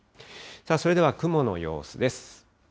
それでは雲の様子です。